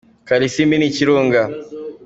kalisimbi ni ikirunga